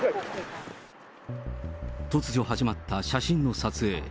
突如始まった写真の撮影。